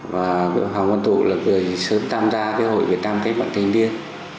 và hoàng văn thụ là người sớm tam gia với hội việt nam cách mạng thành niên